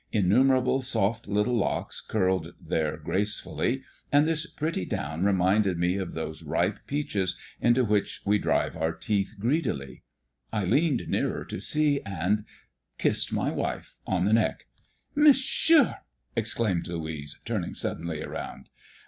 Innumerable soft little locks curled there gracefully, and this pretty down reminded me of those ripe peaches into which we drive our teeth greedily. I leaned nearer to see and kissed my wife on the neck. "Monsieur!" exclaimed Louise, turning suddenly around.